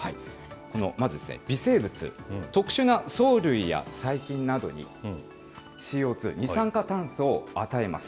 まずですね、微生物、特殊な藻類や細菌などにＣＯ２、二酸化炭素を与えます。